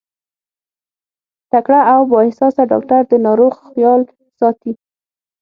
تکړه او با احساسه ډاکټر د ناروغ خيال ساتي.